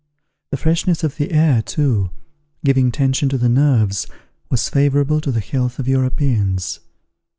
The freshness of the air, too, giving tension to the nerves, was favourable to the health of Europeans.